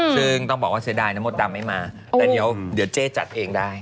ซึ่งต้องบอกว่าเสียดายนะมดดำไม่มาแต่เดี๋ยวเจ๊จัดเองได้